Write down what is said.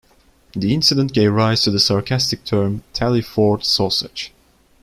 The incident gave rise to the sarcastic term "Taylforth Sausage".